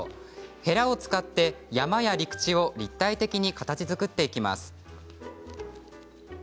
へらを使って山や陸地を立体的に形づくっていきます。